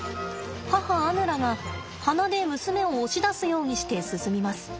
母アヌラが鼻で娘を押し出すようにして進みます。